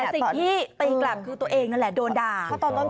แต่สิ่งที่ตีกลับคือตัวเองนั่นแหละโดนด่า